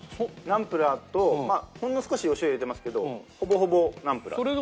ナンプラーとほんの少しお塩入れてますけどほぼほぼナンプラーです。